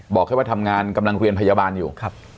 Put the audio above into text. บอกแค่ว่าทำงานกำลังเรียนพยาบาลอยู่